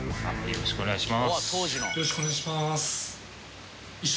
よろしくお願いします。